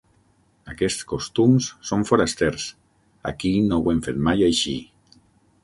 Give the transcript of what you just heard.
Aquests costums són forasters: aquí no ho hem fet mai així!